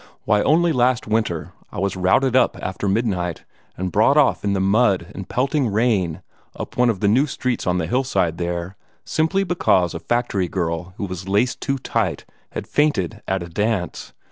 Why, only last winter, I was routed up after midnight, and brought off in the mud and pelting rain up one of the new streets on the hillside there, simply because a factory girl who was laced too tight had fainted at a dance.